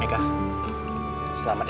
meka selamat ya